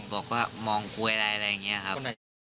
บอกว่ามองกลวยอะไรอะไรอย่างนี้ครับ